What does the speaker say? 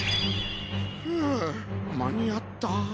ふっ間に合った。